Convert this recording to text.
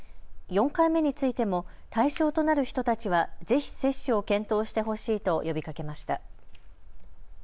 ４回目についても対象となる人たちはぜひ接種を検討してほしいと呼びかけました。